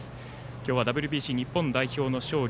今日はＷＢＣ日本代表の勝利